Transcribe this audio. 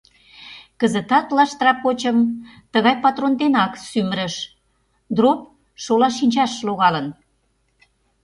Кызытат лаштыра почым тыгай патрон денак сӱмырыш — дроп шола шинчаш логалын.